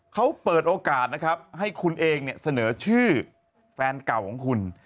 เขาเปิดโอกาสนะครับให้คุณเองเนี่ยเสนอชื่อแฟนเก่าของคุณ